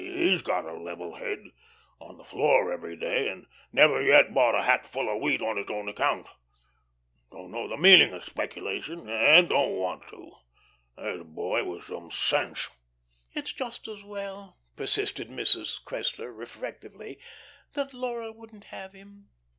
He's got a level head. On the floor every day, and never yet bought a hatful of wheat on his own account. Don't know the meaning of speculation and don't want to. There's a boy with some sense." "It's just as well," persisted Mrs. Cressler reflectively, "that Laura wouldn't have him.